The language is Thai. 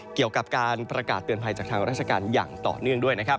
เกี่ยวกับการประกาศเตือนภัยจากทางราชการอย่างต่อเนื่องด้วยนะครับ